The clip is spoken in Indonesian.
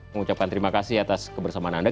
mengucapkan terima kasih atas kebersamaan anda